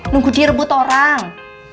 nunggu direbut orang